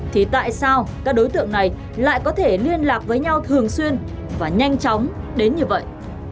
thì tại sao các đối tượng này lại có thể liên lạc với nhau thường xuyên và nhanh chóng đến như vậy